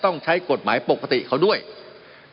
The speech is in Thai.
มันมีมาต่อเนื่องมีเหตุการณ์ที่ไม่เคยเกิดขึ้น